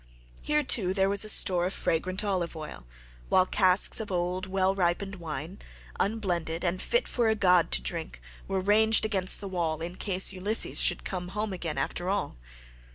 Here, too, there was a store of fragrant olive oil, while casks of old, well ripened wine, unblended and fit for a god to drink, were ranged against the wall in case Ulysses should come home again after all.